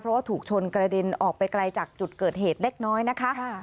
เพราะว่าถูกชนกระเด็นออกไปไกลจากจุดเกิดเหตุเล็กน้อยนะคะ